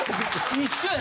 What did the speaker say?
一緒やで。